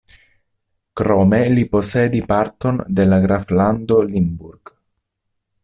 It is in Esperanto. Krome li posedi parton de la graflando Limburg.